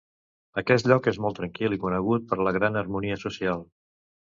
Aquest lloc és molt tranquil i conegut per la gran harmonia social.